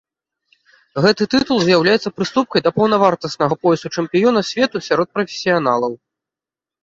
Гэты тытул з'яўляецца прыступкай да паўнавартаснага поясу чэмпіёна свету сярод прафесіяналаў.